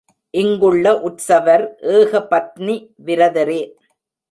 இங்குள்ள உற்சவர் ஏகபத்னி விரதரே.